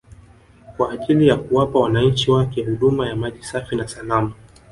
kwa ajili ya kuwapa wananchi wake huduma ya maji safi na salama